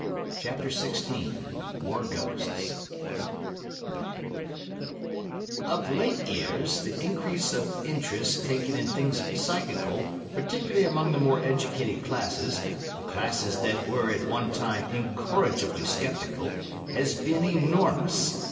CHAPTER XVI WAR GHOSTS Of late years the increase of interest taken in things psychical, particularly among the more educated classes, the classes that were at one time incorrigibly sceptical, has been enormous.